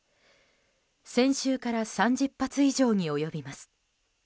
先週から３０発以上に及びます。